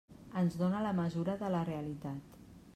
Ens dóna la mesura de la realitat.